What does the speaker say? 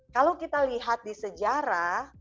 kalau kita lihat di sejarah